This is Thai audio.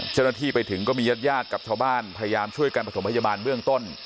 เจ้าหน้าที่ไปถึงก็มีญาติญาติกับชาวบ้านพยายามช่วยกันประถมพยาบาลเบื้องต้น